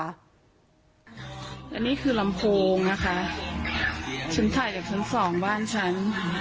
อันนี้คือลำโพงนะคะฉันถ่ายจากชั้นสองบ้านฉัน